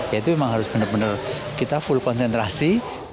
yaitu memang harus benar benar kita full konsentrasi